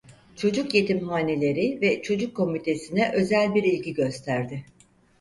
Çocuk Yetimhaneleri ve Çocuk Komitesi'ne özel bir ilgi gösterdi.